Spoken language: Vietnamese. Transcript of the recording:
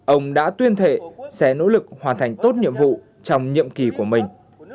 ông đã tuyên thệ sẽ nỗ lực hoàn thành tốt nhiệm vụ trong nhiệm kỳ của mình